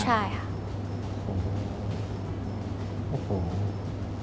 ใช่ครับ